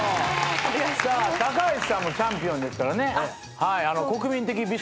橋さんもチャンピオンですからね。